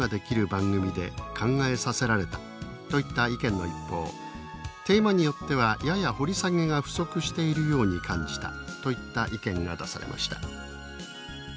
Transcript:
番組で考えさせられた」といった意見の一方「テーマによってはやや掘り下げが不足しているように感じた」といった意見が出されました。